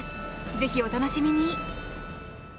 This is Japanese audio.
ぜひ、お楽しみに。